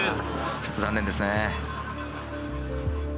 ちょっと残念ですね。